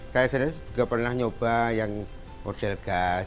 saya sendiri juga pernah nyoba yang model gas